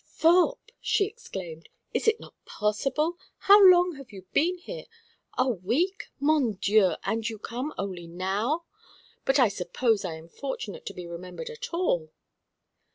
"Thorpe!" she exclaimed. "It is not possible? How long have you been here? A week! Mon Dieu! And you come only now! But I suppose I am fortunate to be remembered at all."